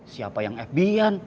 siapa yang fbian